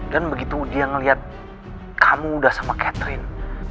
dan begitu dia ngelihat kamu udah sama catherine